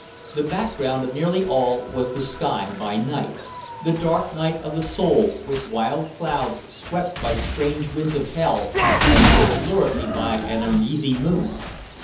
The background of nearly all was the sky by night, the dark night of the soul, with wild clouds swept by strange winds of hell and lit luridly by an uneasy moon.